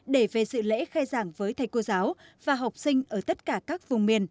để về sự lễ khai giảng với thầy cô giáo